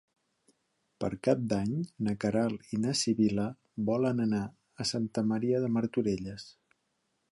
Per Cap d'Any na Queralt i na Sibil·la volen anar a Santa Maria de Martorelles.